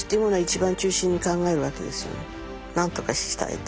何とかしたいと。